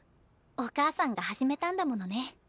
お母さんが始めたんだものね。